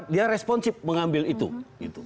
dia responsif mengambil itu